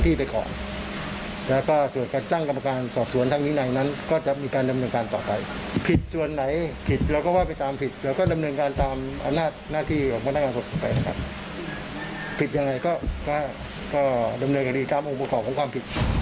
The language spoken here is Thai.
ที่มานั่งการสดสัตว์ผิดยังไงก็ดำเนินกันดีตามองค์ประกอบของความผิด